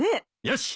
よし！